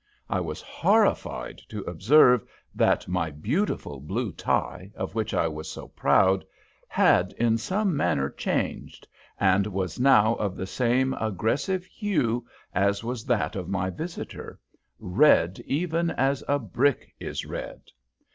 I was horrified to observe that my beautiful blue tie, of which I was so proud, had in some manner changed, and was now of the same aggressive hue as was that of my visitor, red even as a brick is red.